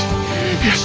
よし。